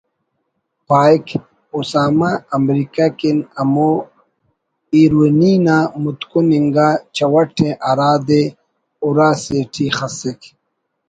پاہک ”اسامہ امریکہ کن ہمو ہیروئنی نا متکن انگا چوٹءِ ہرادے اُرا سے ٹی خسک